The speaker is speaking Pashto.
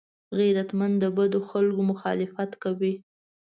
غیرتمند د بدو خلکو مخالفت کوي